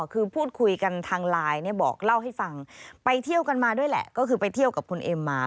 คือพูดคุยกันทางไลน์เนี่ยบอกเล่าให้ฟังไปเที่ยวกันมาด้วยแหละก็คือไปเที่ยวกับคุณเอ็มมา